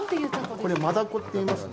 これマダコっていいますね。